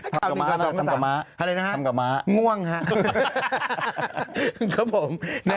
ทำกับม้าทำกับม้าทำกับม้าง่วงฮะครับผม